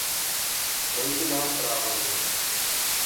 Dej i nám právo na život.